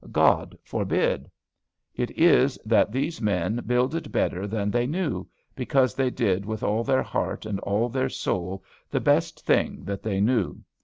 God forbid! It is that these men builded better than they knew, because they did with all their heart and all their soul the best thing that they knew.